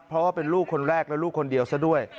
เพราะว่าเป็นลูกคนแรกและลูกคนเดียวซะด้วย